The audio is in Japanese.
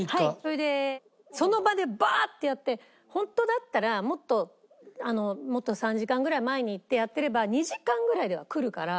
それでその場でバーッてやってホントだったらもっともっと３時間ぐらい前に行ってやってれば２時間ぐらいでは来るから。